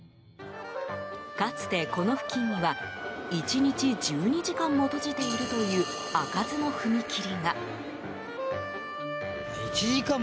かつて、この付近には１日１２時間も閉じているという開かずの踏切が。